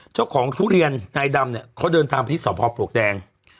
เจ้าของทุเรียนนายดำเนี้ยเขาเดินทางไปที่สอบภาพปลูกแดง